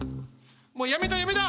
もうやめだやめだ！